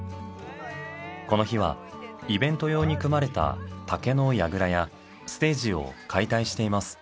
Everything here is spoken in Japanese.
この日はイベント用に組まれた竹のやぐらやステージを解体しています。